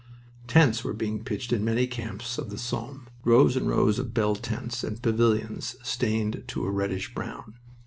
Tents were being pitched in many camps of the Somme, rows and rows of bell tents and pavilions stained to a reddish brown.